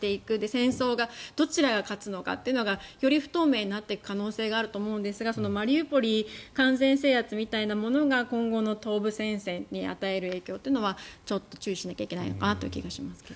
戦争がどちらが勝つのかというのがより不透明になっていく可能性があると思うんですがそのマリウポリ完全制圧みたいなものが今後の東部戦線に与える影響というのはちょっと注意しないといけないのかなという気がしますが。